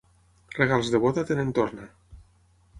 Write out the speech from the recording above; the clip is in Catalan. Regals de boda tenen torna.